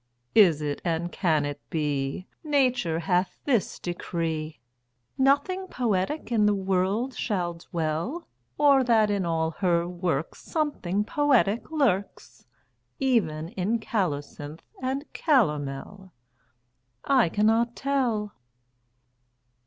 Is it, and can it be, Nature hath this decree, Nothing poetic in the world shall dwell? Or that in all her works Something poetic lurks, Even in colocynth and calomel? I cannot tell.